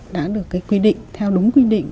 đã được cái quy định theo đúng quy định